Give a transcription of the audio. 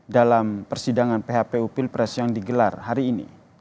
dalam persidangan phpu pilpres yang digelar hari ini